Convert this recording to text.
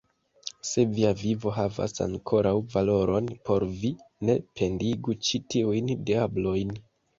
Se via vivo havas ankoraŭ valoron por vi, ne pendigu ĉi tiujn diablojn!